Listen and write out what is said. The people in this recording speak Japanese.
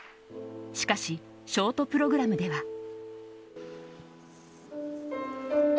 しかし、ショートプログラムでは。